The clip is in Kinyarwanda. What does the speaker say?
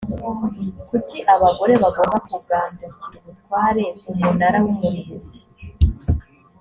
kuki abagore bagomba kugandukira ubutware umunara w’umurinzi